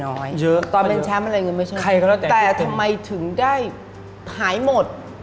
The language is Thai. เยอะเยอะใครก็เนอะแต่กิ๊บกิ๊บเต็มตอนเป็นแชมป์มันอะไรเงินไม่ใช่แต่ทำไมถึงได้หายหมด